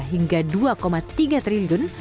hingga dua tiga triliun